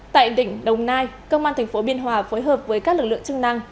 tại đỉnh đồng nai công an thành phố biên hòa phối hợp với các lực lượng chức năng